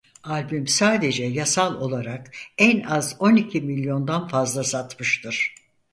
Albüm sadece yasal olarak en az on iki milyondan fazla satmıştır.